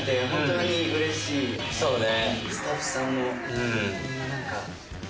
そうね。